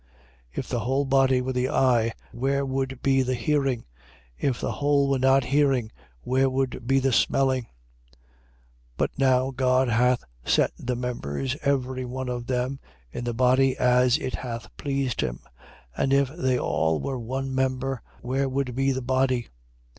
12:17. If the whole body were the eye, where would be the hearing? If the whole were hearing, where would be the smelling? 12:18. But now God hath set the members, every one of them, in the body as it hath pleased him. 12:19. And if they all were one member, where would be the body?